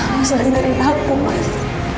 mas jangan tinggalin aku mas